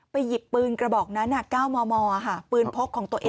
ไปหยิบปืนกระบอกนั้นเก้ามอค่ะปืนพกของตัวเอง